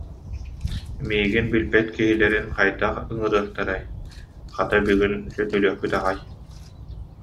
Миигин билбэт киһилэрин хайдах ыҥырыахтарай, хата, бүгүн сөтүөлүөхпүт аҕай